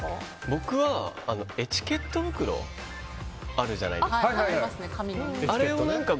僕は、エチケット袋あるじゃないですか。